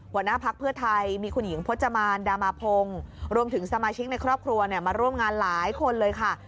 หัวหน้าพักเพื่อไทยมีคุณหญิงพจมานดามาพงศ์รวมถึงสมาชิกในครอบครัวมาร่วมงานหลายคนเลยค่ะ